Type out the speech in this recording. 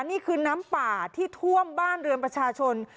นี่คือน้ำป่าที่ท่วมบ้านเรือนประชาชน